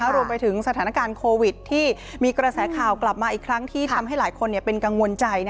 รวมไปถึงสถานการณ์โควิดที่มีกระแสข่าวกลับมาอีกครั้งที่ทำให้หลายคนเป็นกังวลใจ